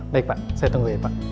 baik pak saya tunggu ya pak